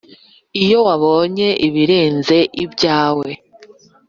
iyo wabonye ibirenze ibyawe